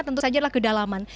tentu saja adalah kedalaman